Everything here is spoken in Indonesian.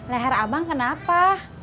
leher abang kenapa